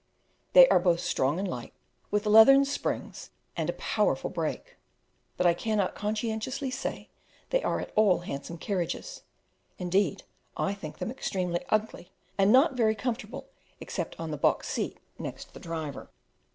They are both strong and light, with leathern springs and a powerful break; but I cannot conscientiously say they are at all handsome carriages; indeed I think them extremely ugly and not very comfortable except on the box seat next the driver.